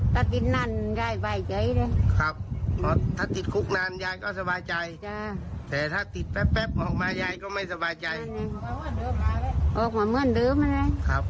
ตำรวจเนินเรื่องให้ถึงที่สุดไหมอย่าอยากให้ถึงที่สุดเลยใช่ไหมครับ